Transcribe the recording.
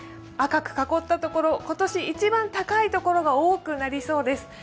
赤く囲ったところ今年、一番高くなるところが多そうです。